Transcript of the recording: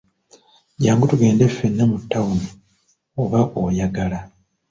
Jjangu tugende fenna mu ttawuni oba oyagala.